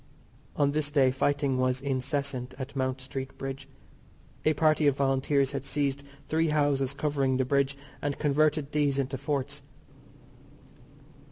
On this day fighting was incessant at Mount Street Bridge. A party of Volunteers had seized three houses covering the bridge and converted these into forts.